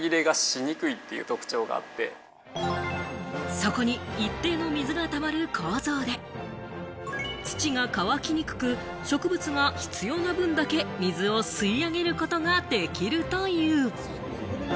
底に一定の水がたまる構造で、土が乾きにくく、植物が必要な分だけ水を吸い上げることができるという。